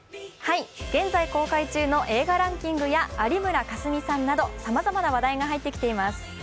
現在公開中の映画ランキングや有村架純さんなどさまざまな話題が入ってきています。